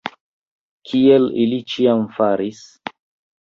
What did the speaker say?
Kiel ili ĉiam faris.